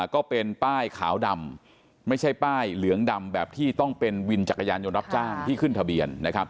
ก็เป็นป้ายขาวดำไม่ใช่ป้ายเหลืองดำแบบที่ต้องเป็นวินจักรยานยนต์รับจ้างที่ขึ้นทะเบียนนะครับ